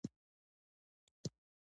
ابن بطوطه له زرو محافظینو سره روانیږي.